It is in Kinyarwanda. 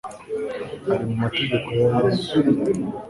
ari mu mategeko ya yesu